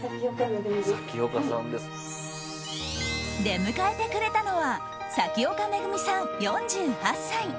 出迎えてくれたのは咲丘恵美さん、４８歳。